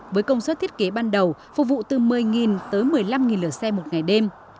với công suất thiết kế ban đầu phục vụ từ một mươi tới một mươi năm lửa xe một ngày đêm